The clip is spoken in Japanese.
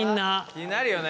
気になるよね。